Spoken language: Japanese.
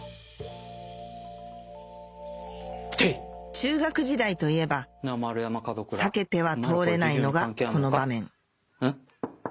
中学時代といえば避けては通れないのがこの場面